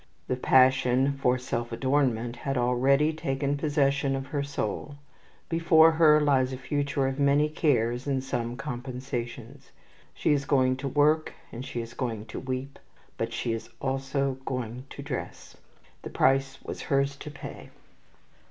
The passion for self adornment had already taken possession of her soul. Before her lies a future of many cares and some compensations. She is going to work and she is going to weep, but she is also going to dress. The price was hers to pay.